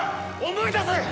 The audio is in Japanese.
思い出せ！